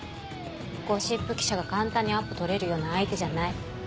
ゴシップ記者が簡単にアポ取れるような相手じゃない。